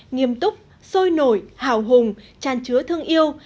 nghiêm túc sôi nổi hào hùng tràn chứa thương yêu